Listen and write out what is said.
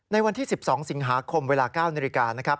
ในวันที่๑๒สิงหาคมเวลา๙นาฬิกานะครับ